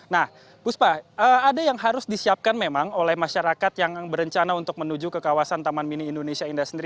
nah puspa ada yang harus disiapkan memang oleh masyarakat yang berencana untuk menuju ke kawasan taman mini indonesia indah sendiri